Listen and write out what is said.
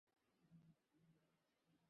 ঘর বন্ধ, সবাই চলে গেছে।